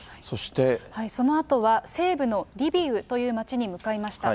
そのあとは、西部のリビウという街に向かいました。